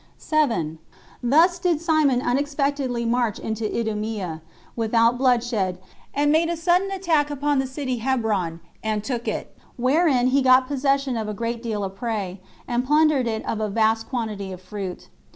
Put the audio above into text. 7. Thus did Simon unexpectedly march into Idumea, without bloodshed, and made a sudden attack upon the city Hebron, and took it; wherein he got possession of a great deal of prey, and plundered it of a vast quantity of fruit.